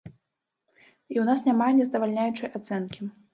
І ў нас няма нездавальняючай ацэнкі.